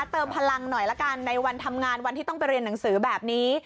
เติมพลังหน่อยละกันในวันทำงานวันที่ต้องไปเรียนหนังสือแบบนี้